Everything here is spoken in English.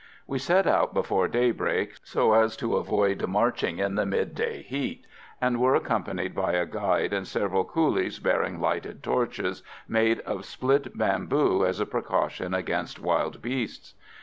We set out before daybreak, so as to avoid marching in the midday heat, and were accompanied by a guide and several coolies bearing lighted torches made of split bamboo as a precaution against wild beasts.